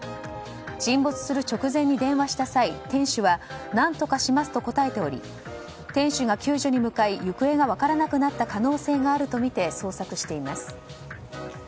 沈没する直前に電話した際店主は何とかしますと答えており店主が救助に向かい行方が分からなくなった可能性があるとみて捜索しています。